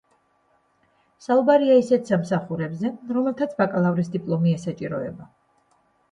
საუბარია ისეთ სამსახურებზე, რომელთაც ბაკალავრის დიპლომი ესაჭიროება.